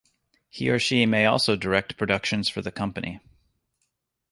He or she may also direct productions for the company.